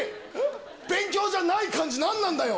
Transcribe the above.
勉強じゃない感じ、何なんだよ。